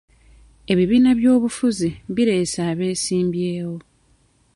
Ebibiina by'obufuzi bireese abesimbyewo.